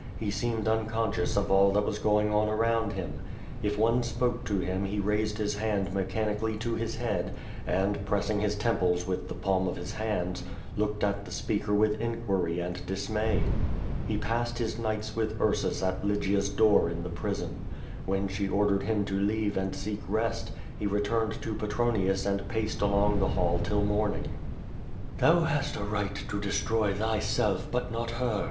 He seemed un conscious of all that was going on around him. If one spoke to him he raised his hand mechanically to his head, and, pressing his temples with the palm of his hands, looked at the s))eaker with inquiry and dismay. He passed his nights with Ursus at Lygia's door in the prison. When she ordered him to leave and seek rest, he returned to Petronius and paced along the hall till morning. "Thou liast a right to destrov thvself, but not her.